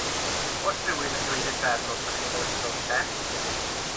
Oes rhywun yn dweud y drefn wrthoch chi yn yr ysgol weithiau?